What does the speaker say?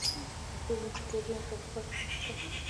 زه مجبور وم چې ټول ژمی په هغه ښار کې پاته شم.